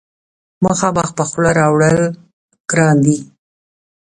مخامخ په خوله راوړل ګران دي.